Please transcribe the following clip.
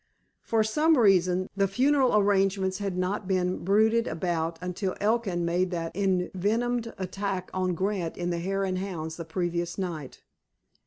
For some reason, the funeral arrangements had not been bruited about until Elkin made that envenomed attack on Grant in the Hare and Hounds the previous night.